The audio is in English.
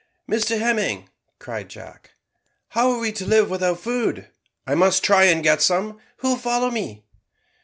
"Mr Hemming," said Jack, "how are we to live without food? I must try and get some who'll follow me?"